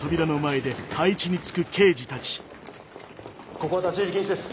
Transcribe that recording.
ここは立ち入り禁止です。